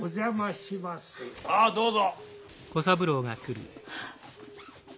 ああどうぞ。